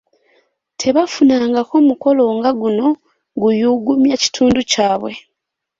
Tebafunangako mukolo nga guno guyugumya kitundu kyabwe.